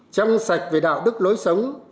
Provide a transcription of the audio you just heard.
chăm sạch về đạo đức lối sống